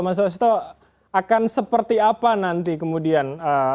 mas wasisto akan seperti apa nanti kemudian